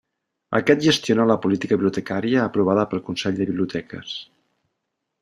Aquest gestiona la política bibliotecària aprovada pel Consell de Biblioteques.